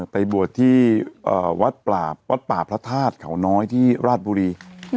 ไปบวชที่วัดป่าพระธาตุเขาน้อยที่ราชบุรี